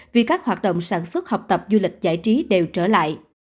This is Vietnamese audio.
vì các hoạt động sản xuất học tập du lịch giải trí đều trở lại